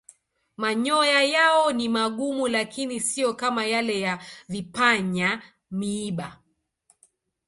Manyoya yao ni magumu lakini siyo kama yale ya vipanya-miiba.